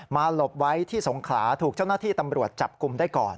หลบไว้ที่สงขลาถูกเจ้าหน้าที่ตำรวจจับกลุ่มได้ก่อน